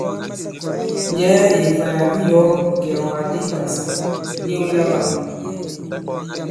Njɛ̀ɛ ì ìfàyàk di i yɔ̀ɔ ìkɛ̀ɛ̀wàk di i Ikàsà ì ɓewe la bâm!